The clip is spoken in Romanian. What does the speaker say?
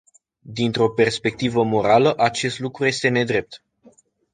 Dintr-o perspectivă morală, acest lucru este nedrept.